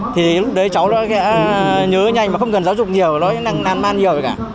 thì lúc đấy cháu nó nhớ nhanh mà không cần giáo dục nhiều nó cũng đang nan man nhiều rồi cả